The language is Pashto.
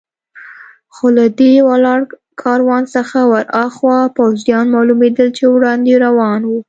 خو له دې ولاړ کاروان څخه ور هاخوا پوځیان معلومېدل چې وړاندې روان و.